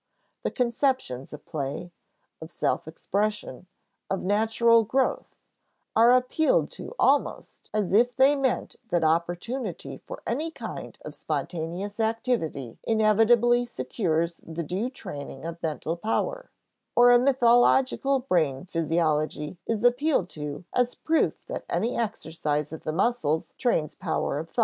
The conceptions of play, of self expression, of natural growth, are appealed to almost as if they meant that opportunity for any kind of spontaneous activity inevitably secures the due training of mental power; or a mythological brain physiology is appealed to as proof that any exercise of the muscles trains power of thought.